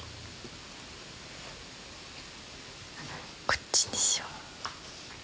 こっちにしよう。